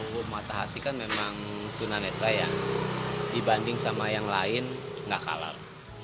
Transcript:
kalau gue mata hati kan memang tuna netra ya dibanding sama yang lain nggak kalah